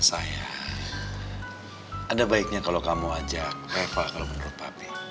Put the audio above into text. sayang ada baiknya kalau kamu ajak reva kalau menurut papi